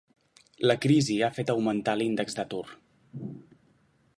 La crisi ha fet augmentar l'índex d'atur.